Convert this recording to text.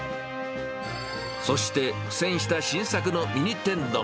そして苦戦した新作のミニ天丼。